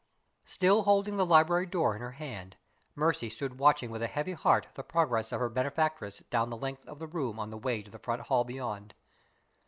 Still holding the library door in her hand, Mercy stood watching with a heavy heart the progress of her benefactress down the length of the room on the way to the front hall beyond.